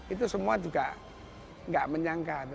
itu semua juga nggak menyangka